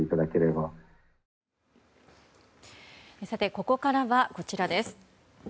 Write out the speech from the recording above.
ここからはこちらです。